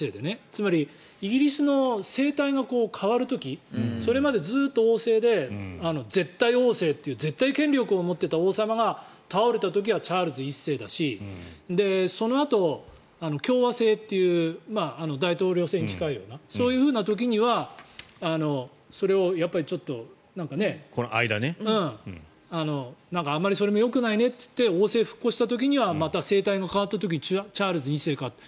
つまりイギリスの政体が変わる時それまでずっと王政で絶対王政という絶対権力を持っていた王様が倒れた時はチャールズ１世だしそのあと、共和制っていう大統領制に近いようなそういう時にはそれをあまりそれもよくないねと言って王政復古した時にはまた政体が変わった時チャールズ２世かって。